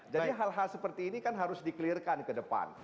hal hal seperti ini kan harus di clear kan ke depan